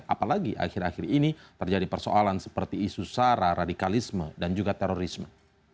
apalagi akhir akhir ini terjadi persoalan seperti isu sara radikalisme dan juga terorisme